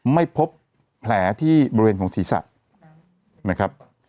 ไม่พบแผลที่บริเวณของศีรษะนะครับ